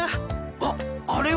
あっあれは！